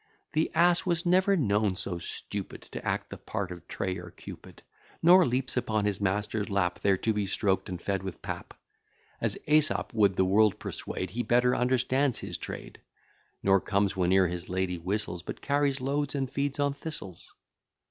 The Ass was never known so stupid, To act the part of Tray or Cupid; Nor leaps upon his master's lap, There to be stroked, and fed with pap, As Æsop would the world persuade; He better understands his trade: Nor comes whene'er his lady whistles, But carries loads, and feeds on thistles.